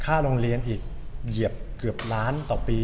ค่าพลังงานอีกเหยียบเหยียบรันสมทุกปี